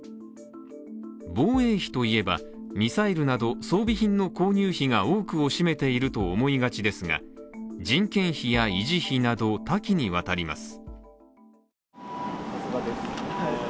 防衛費といえば、ミサイルなど装備品の購入費が多くを占めていると思いがちですが人件費や維持費など、多岐にわたります。